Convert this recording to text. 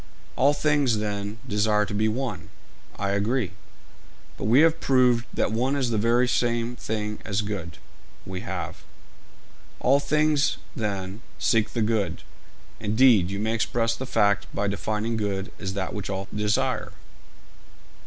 'All things, then, desire to be one.' 'I agree.' 'But we have proved that one is the very same thing as good.' 'We have.' 'All things, then, seek the good; indeed, you may express the fact by defining good as that which all desire.'